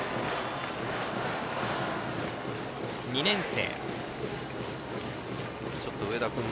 ２年生。